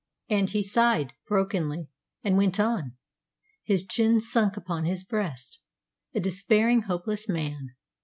and he sighed brokenly, and went on, his chin sunk upon his breast, a despairing, hopeless man.